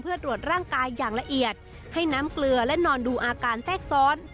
เพื่อตรวจร่างกายอย่างละเอียดให้น้ำเกลือและนอนดูอาการแทรกซ้อน